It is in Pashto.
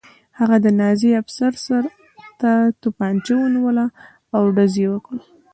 هغه د نازي افسر سر ته توپانچه ونیوله او ډز یې وکړ